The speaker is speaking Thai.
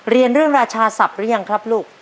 เรียนเรื่องราชาศัพท์หรือยังครับลูก